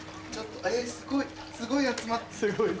えっすごいすごい集まって。